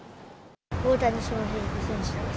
大谷翔平選手です。